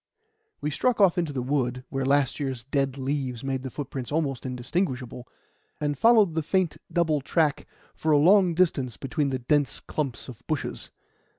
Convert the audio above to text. We struck off into the wood, where last year's dead leaves made the footprints almost indistinguishable, and followed the faint double track for a long distance between the dense clumps of bushes.